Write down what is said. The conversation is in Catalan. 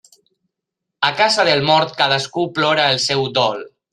A casa del mort cadascú plora el seu dol.